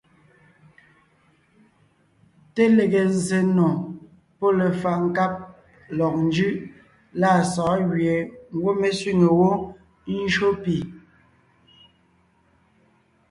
Te lege zsè nò pɔ́ lefaʼ nkáb lɔg njʉʼ lâ sɔ̌ɔn gẅie ngwɔ́ mé sẅîŋe wó ńjÿó pì.